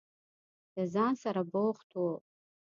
له ځان سره بوخت و.